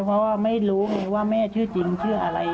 เพราะว่าไม่รู้ไงว่าแม่ชื่อจริงชื่ออะไร